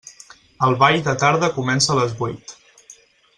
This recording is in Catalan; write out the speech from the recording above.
El ball de tarda comença a les vuit.